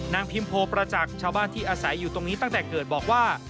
พิมโพประจักษ์ชาวบ้านที่อาศัยอยู่ตรงนี้ตั้งแต่เกิดบอกว่า